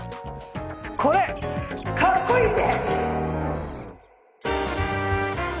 「これ、かっこイイぜ！」。